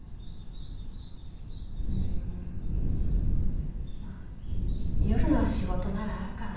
うん夜の仕事ならあるかな。